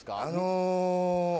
あの。